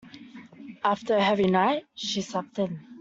After a heavy night, she slept in.